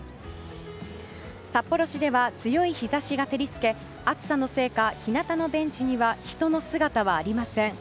札幌市では強い日差しが照り付け暑さのせいか日向のベンチには人の姿はありません。